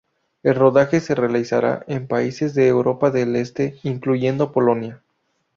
El rodaje se realizará en países de Europa del este, incluyendo Polonia.